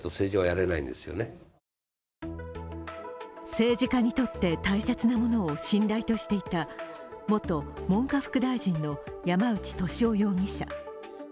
政治家にとって、大切なものを信頼としていた元文科副大臣の山内俊夫容疑者。